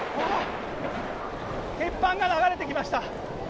鉄板が流れてきました。